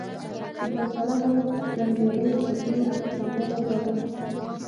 د داوطلبو جنګیالیو په شمېر کې کموالی راغی.